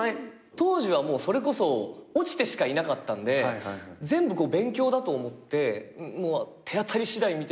当時はそれこそ落ちてしかいなかったんで全部勉強だと思って手当たり次第見てる感じで。